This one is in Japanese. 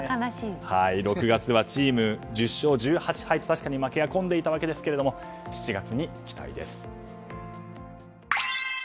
６月はチーム１０勝１８敗と確かに負けが込んでいたわけですが７月に期待です。